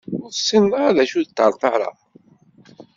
Ur tessineḍ ara d acu i d ṭerṭara?